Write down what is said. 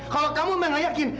kalau kamu memang gak yakin